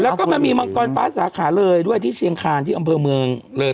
แล้วก็มันมีมังกรฟ้าสาขาเลยด้วยที่เชียงคานที่อำเภอเมืองเลย